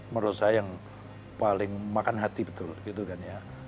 menurut saya yang paling makan hati betul gitu kan ya